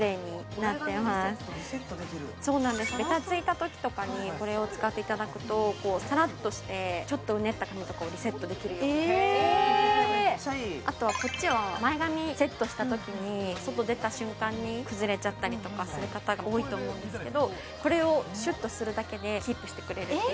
そうなんですベタついたときとかにこれを使っていただくとサラッとしてちょっとうねった髪とかをリセットできるようにへめっちゃいいあとはこっちは前髪セットしたときに外出た瞬間に崩れちゃったりとかする方が多いと思うんですけどえ！？